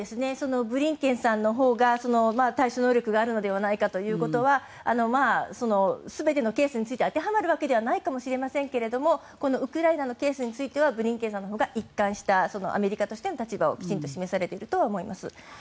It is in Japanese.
ブリンケンさんのほうが対処能力があるのではないかということはまあ全てのケースについて当てはまるわけではないのかもしれませんがウクライナのケースについてはブリンケンさんのほうが一貫したアメリカとしての立場をきちんと示されているとは思います。